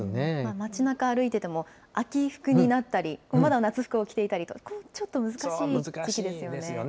街なか歩いてても、秋服になったり、まだ夏服を着ていたりと、難しいですよね。